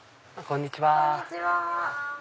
こんにちは。